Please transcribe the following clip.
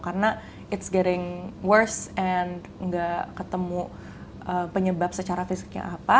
karena it's getting worse and nggak ketemu penyebab secara fisiknya apa